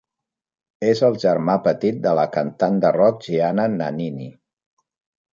És el germà petit de la cantant de rock Gianna Nannini.